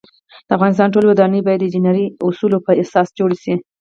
د افغانستان ټولی ودانۍ باید د انجنيري اوصولو په اساس جوړې شی